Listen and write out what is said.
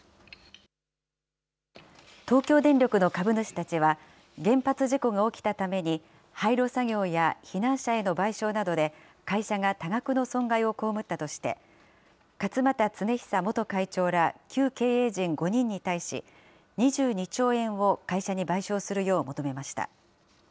東京電力の株主たちは、原発事故が起きたために、廃炉作業や避難者への賠償などで、会社が多額の損害を被ったとして、勝俣恒久元会長ら旧経営陣５人に対し、２２兆円を会社に賠償するよう求めました。